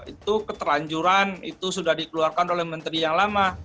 itu keterlanjuran itu sudah dikeluarkan oleh menteri yang lama